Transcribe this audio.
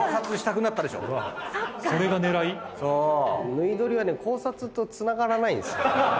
ぬい撮りはね考察とつながらないんですよ。